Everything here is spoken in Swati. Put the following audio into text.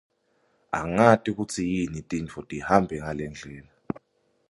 Angati kutsi yini tintfo tihambe ngalendlela!